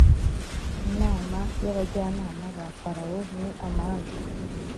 inama y’abajyanama ba Farawo ni amanjwe.